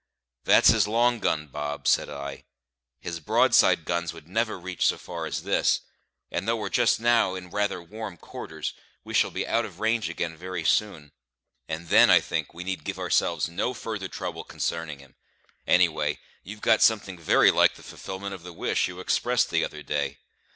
"That's his long gun, Bob," said I; "his broadside guns would never reach so far as this, and though we're just now in rather warm quarters, we shall be out of range again very soon; and then, I think, we need give ourselves no further trouble concerning him. Any way, you've got something very like the fulfilment of the wish you expressed the other day."